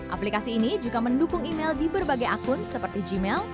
aplikasi ini juga mendukung email di berbagai akun seperti gmail